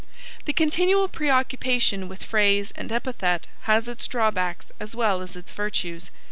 The continual preoccupation with phrase and epithet has its drawbacks as well as its virtues.